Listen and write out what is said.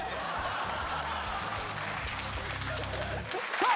さあ